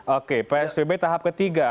oke psbb tahap ketiga